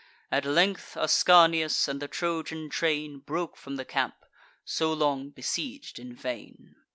At length Ascanius and the Trojan train Broke from the camp, so long besieg'd in vain.